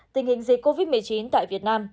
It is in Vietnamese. tình hình dịch covid một mươi chín tại việt nam